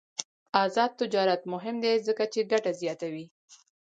آزاد تجارت مهم دی ځکه چې ګټه زیاتوي.